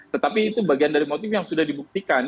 tetapi itu bagian dari motif yang sudah dibuktikan